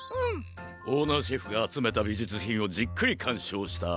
オーナーシェフがあつめたびじゅつひんをじっくりかんしょうしたあとで。